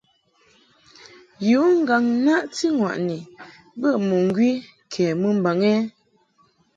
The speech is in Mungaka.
Yu ŋgàŋ-naʼti-ŋwàʼni bə mɨŋgwi kɛ mɨmbaŋ ɛ ?